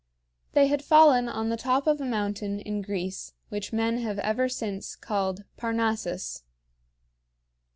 They had fallen on the top of a mountain in Greece which men have ever since called Parnassus.